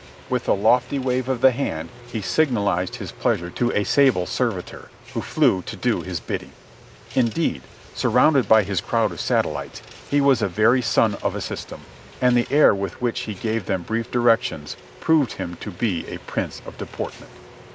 With a lofty wave of the hand he signalized his pleasure to a sable servitor, who flew to do his bidding. In deed, surrounded by his crowd of satellites, he was a very sun of a system, and the air with which he gave them brief directions proved him to be a Prince of Deportment.